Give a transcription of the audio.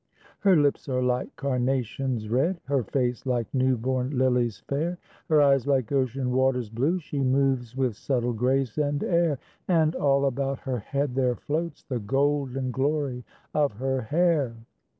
Her lips are like carnations, red, Her face like new born lilies, fair, Her eyes like ocean waters, blue, She moves with subtle grace and air, And all about her head there floats The golden glory of her hair.